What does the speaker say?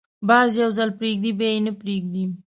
باز یو ځل پرېږدي، بیا یې نه پریږدي